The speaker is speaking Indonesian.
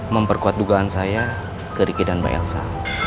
memperkuat dugaan saya ke ricky dan mbak elsa